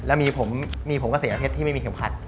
แล้วมีผมมีผมกับเสียงอเทศที่ไม่มีเข็มขัด